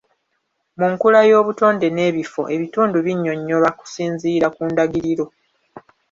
Mu nkula y'obutonde n'ebifo ebitundu binnyonyolwa kusinziira ku ndagiriro.